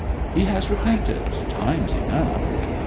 'He has repented, times enough.'